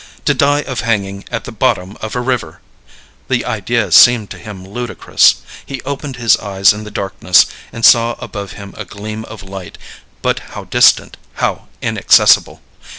To die of hanging at the bottom of a river! the idea seemed to him ludicrous. He opened his eyes in the darkness and saw above him a gleam of light, but how distant, how inaccessible!